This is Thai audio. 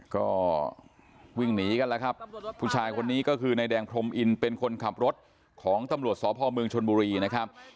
ก็วิ่งหนีกันแล้วครับผู้ชายคนนี้ก็คือนายแดงพรมอินเป็นคนขับรถของตำรวจสพเมืองชนบุรีนะครับ